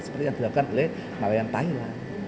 seperti yang dilakukan oleh nelayan thailand